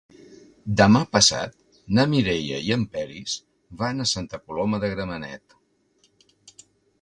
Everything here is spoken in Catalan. Demà passat na Mireia i en Peris van a Santa Coloma de Gramenet.